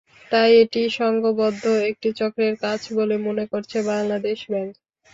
তাই এটি সংঘবদ্ধ একটি চক্রের কাজ বলে মনে করছে বাংলাদেশ ব্যাংক।